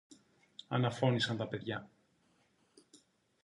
αναφώνησαν τα παιδιά.